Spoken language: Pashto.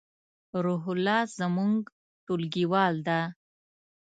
روح الله زمونږ ټولګیوال ده